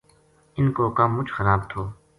اِن کو کم مچ خراب تھو